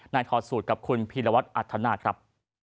นายทอดสูตรกับคุณพีรวัตอัทธานาคครับ